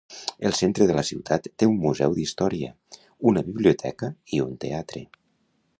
El centre de la ciutat té un museu d'història, una biblioteca i un teatre.